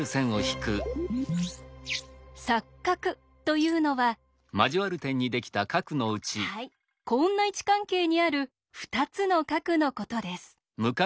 「錯角」というのははいこんな位置関係にある２つの角のことです。